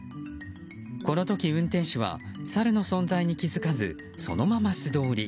この時、運転手はサルの存在に気づかずそのまま素通り。